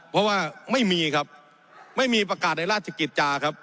เพราะว่าไม่มีครับไม่มีประกาศในราชกิจจาครับ